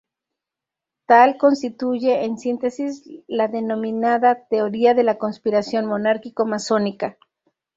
Tal constituye, en síntesis, la denominada: "teoría de la conspiración monárquico-masónica".